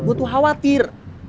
gua tuh khawatir